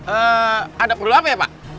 eeeh ada perlu apa ya pak